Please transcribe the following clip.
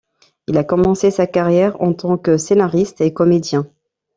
Il a commencé sa carrière en tant que scénariste et comédien.